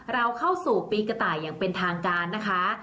เราเข้าสู่ปีกระต่ายอย่างเป็นทางการนะคะ